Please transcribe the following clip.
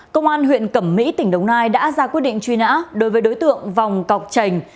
công an huyện cẩm mỹ tỉnh đồng nai đã ra quyết định truy nã đối với đối tượng vòng cọc trành